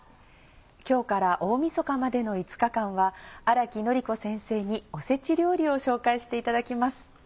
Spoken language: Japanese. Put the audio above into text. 今日から大みそかまでの５日間は荒木典子先生におせち料理を紹介していただきます。